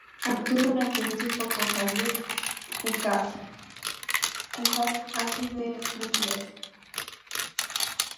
Actuó durante un tiempo con Xavier Cugat antes de retirarse.